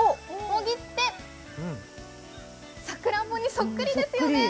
もぎって、さくらんぼにそっくりですよね。